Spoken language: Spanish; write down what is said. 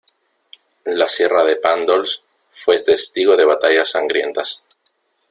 La sierra de Pàndols fue testigo de batallas sangrientas.